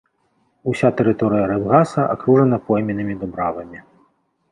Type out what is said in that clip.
Уся тэрыторыя рыбгаса акружана пойменнымі дубравамі.